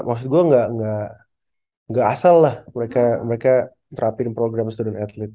maksud gue gak asal lah mereka terapin program stadion atlet